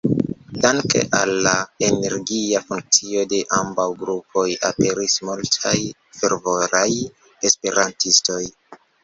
Danke al la energia funkcio de ambaŭ grupoj aperis multaj fervoraj esperantistoj.